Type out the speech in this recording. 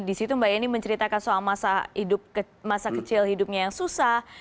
di situ mbak yeni menceritakan soal masa kecil hidupnya yang susah